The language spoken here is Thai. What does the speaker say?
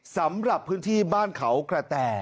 สำหรับพื้นที่บ้านเขากระแต่